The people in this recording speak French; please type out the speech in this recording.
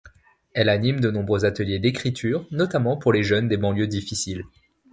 Elle anime de nombreux ateliers d'écriture, notamment pour les jeunes des banlieues difficiles.